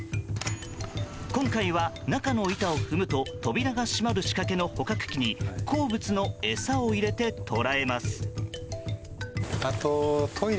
今回は中の板を踏むと扉が閉まる仕掛けの捕獲機に好物の餌を入れて捕らえます。